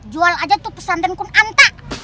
jual aja tuh pesanankun anta